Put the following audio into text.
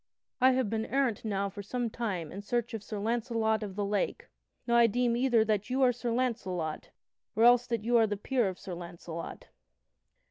I have been errant now for some time in search of Sir Launcelot of the Lake. Now, I deem either that you are Sir Launcelot, or else that you are the peer of Sir Launcelot."